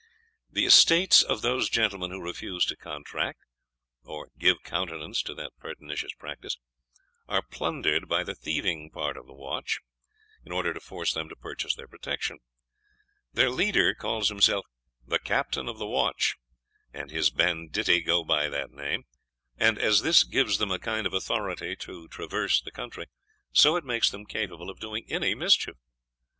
The estates of those gentlemen who refused to contract, or give countenance to that pernicious practice, are plundered by the thieving part of the watch, in order to force them to purchase their protection. Their leader calls himself the Captain of the Watch, and his banditti go by that name. And as this gives them a kind of authority to traverse the country, so it makes them capable of doing any mischief.